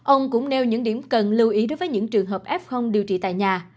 ông cũng nêu những điểm cần lưu ý đối với những trường hợp f điều trị tại nhà